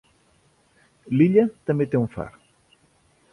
L'illa també té un far.